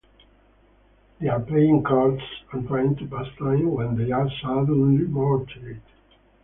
They are playing cards and trying to pass time, when they are suddenly mortared.